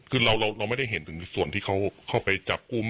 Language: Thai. คือเราไม่ได้เห็นถึงส่วนที่เขาเข้าไปจับกลุ่ม